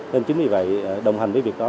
nên chính vì vậy đồng hành với việc đó